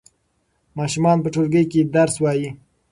ماشومان په ټولګي کې درس وايي.